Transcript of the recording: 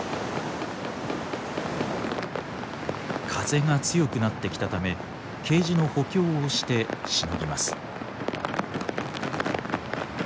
風が強くなってきたためケージの補強をしてしのぎます。